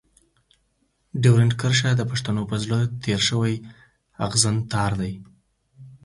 ډيورنډ کرښه د پښتنو په زړه تېر شوی اغزن تار دی.